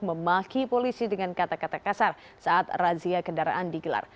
memaki polisi dengan kata kata kasar saat razia kendaraan digelar